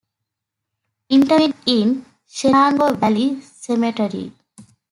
Interment in Shenango Valley Cemetery.